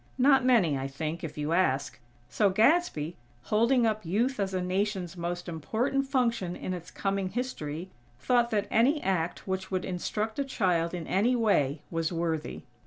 Not many, I think, if you ask. So Gadsby, holding up Youth as a Nation's most important function in its coming history, thought that any act which would instruct a child in any way, was worthy.